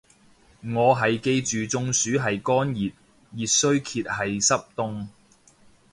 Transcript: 我係記住中暑係乾熱，熱衰竭係濕凍